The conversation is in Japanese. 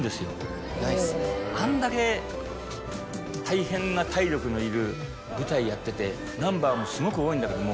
あんだけ大変な体力のいる舞台やっててナンバーもすごく多いんだけども。